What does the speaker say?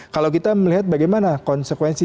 kalau kita melihat bagaimana konsekuensi